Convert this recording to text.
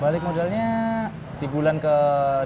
balik modalnya di bulan ke dua ke tiga